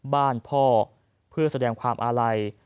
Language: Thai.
บ้านพ่อเพื่อแสดงความอาลัย